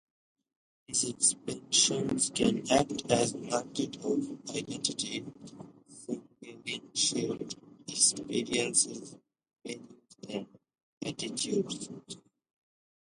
These expressions can act as markers of identity, signaling shared experiences, values, and attitudes.